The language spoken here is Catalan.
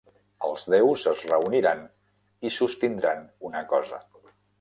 Els déus es reuniran i sostindran una cosa.